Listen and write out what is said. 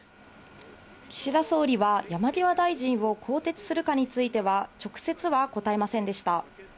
岸田総理は山際大臣を更迭するかについては、直接は答えませんでした。